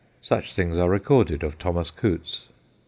Such things are recorded of Thomas Coutts.